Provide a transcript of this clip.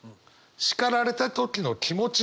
叱られた時の気持ち